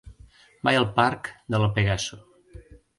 Vaig al parc de La Pegaso.